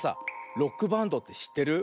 ロックバンドってしってる？